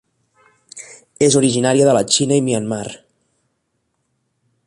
És originària de la Xina i Myanmar.